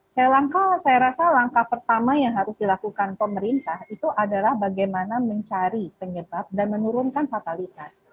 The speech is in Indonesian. saya rasa langkah pertama yang harus dilakukan pemerintah itu adalah bagaimana mencari penyebab dan menurunkan fatalitas